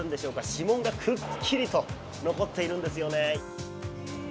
指紋がくっきりと残っているんですよね。